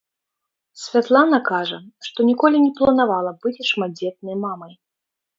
Святлана кажа, што ніколі не планавала быць шматдзетнай мамай.